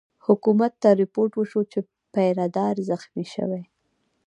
حکومت ته رپوټ وشو چې پیره دار زخمي شوی.